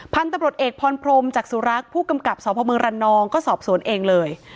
พันธบรรดเอกพรพรมจากสุรกผู้กำกับสภพเมืองรันนองก็สอบสวนเองเลย